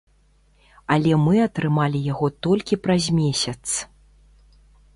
Але мы атрымалі яго толькі праз месяц.